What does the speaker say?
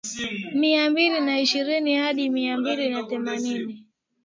Mia mbili na ishirini hadi mia mbili na themanini